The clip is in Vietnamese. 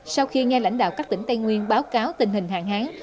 sau khi nghe lãnh đạo các tỉnh tây nguyên báo cáo tình hình hạn hán